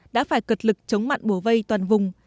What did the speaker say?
đã phải cực lực chống mặn bổ vây toàn vùng